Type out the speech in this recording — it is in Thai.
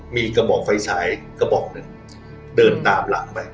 มีกระบอกไฟฉายกระบอกหนึ่งเดินตามหลังไป